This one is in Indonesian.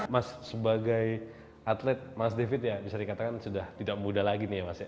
mas sebagai atlet mas david ya bisa dikatakan sudah tidak muda lagi nih ya mas ya